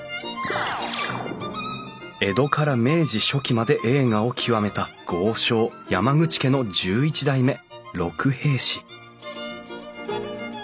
江戸から明治初期まで栄華を極めた豪商山口家の１１代目六平氏